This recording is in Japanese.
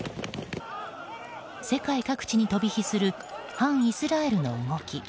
世界各地に飛び火する反イスラエルの動き。